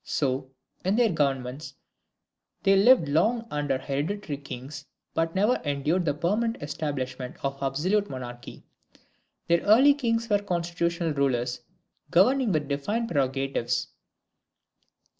So, in their governments they lived long under hereditary kings, but never endured the permanent establishment of absolute monarchy. Their early kings were constitutional rulers, governing with defined prerogatives.